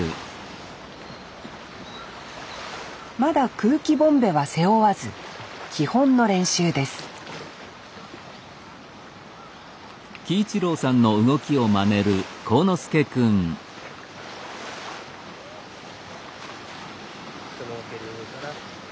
まだ空気ボンベは背負わず基本の練習ですシュノーケルから。